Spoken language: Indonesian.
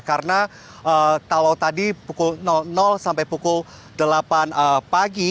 karena kalau tadi pukul nol sampai pukul delapan pagi